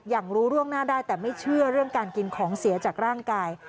รู้ร่วงหน้าได้แต่ไม่เชื่อเรื่องการกินของเสียจากร่างกาย